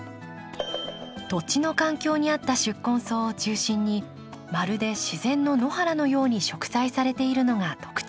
土地の環境に合った宿根草を中心にまるで自然の野原のように植栽されているのが特徴です。